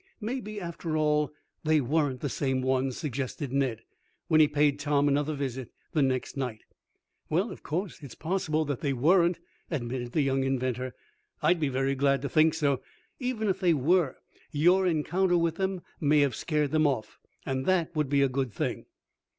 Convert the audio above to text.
"Maybe, after all, they weren't the same ones," suggested Ned, when he paid Tom another visit the next night. "Well, of course it's possible that they weren't," admitted the young inventor. "I'd be very glad to think so. Even if they were, your encounter with them may have scared them off; and that would be a good thing."